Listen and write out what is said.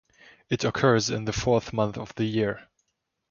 It occurs in the fourth month of the year.